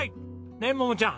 ねえ桃ちゃん。